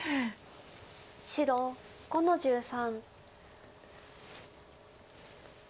白５の十三。